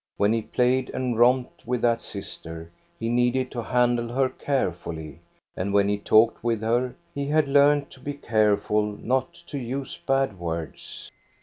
When he played and romped with that sister he needed to handle her carefully, and ivhen he talked with her he lad learned to be careful not to use bad words.